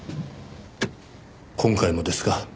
今回もですか？